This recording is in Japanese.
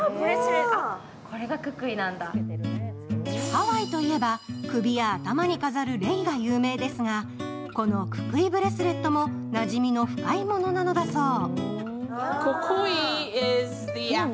ハワイといえば、首や頭に飾るレイが有名ですが、このククイブレスレットもなじみの深いものなのだそう。